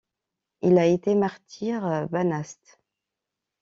Il a été martyr, banaste!